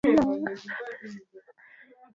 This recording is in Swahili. zinaonyesha wazi na kwa uwazi kutisha na shida